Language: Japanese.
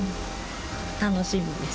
楽しみです。